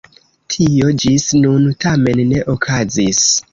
Tio ĝis nun tamen ne okazis.